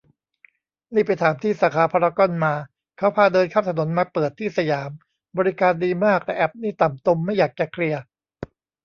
นี่ไปถามที่ สาขาพารากอนมา เขาพาเดินข้ามถนนมาเปิดที่สยาม บริการดีมากแต่แอป นี่ต่ำตมไม่อยากจะเคลียร์